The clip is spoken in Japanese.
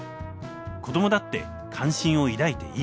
子どもだって関心を抱いていい。